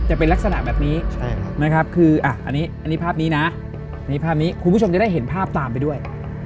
อันนี้ภาพนี้นะคุณผู้ชมจะได้เห็นภาพตามไปด้วย